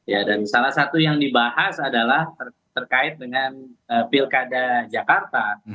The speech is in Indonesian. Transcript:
ya dan salah satu yang dibahas adalah terkait dengan pilkada jakarta